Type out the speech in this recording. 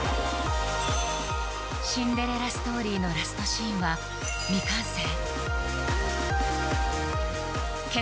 シンデレラストーリーのラストシーンは未完成。